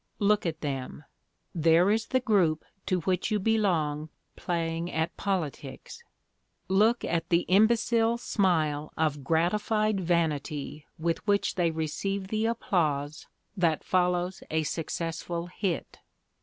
Look at them; there is the group to which you belong playing at politics. Look at the imbecile smile of gratified vanity with which they receive the applause that follows a successful hit.